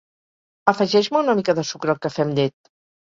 Afegeix-me una mica de sucre al cafè amb llet